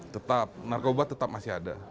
tetap narkoba tetap masih ada